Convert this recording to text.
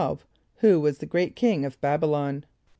= Who was the great king of B[)a]b´[)y] lon?